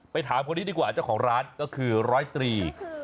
ถามคนนี้ดีกว่าเจ้าของร้านก็คือร้อยตรี